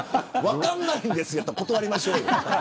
分からないんですやったら断りましょう。